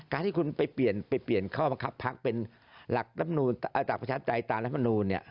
การที่คุณไปเปลี่ยนข้อบังคับภักดิ์เป็นหลักประชาติไตรตามรัฐมนุน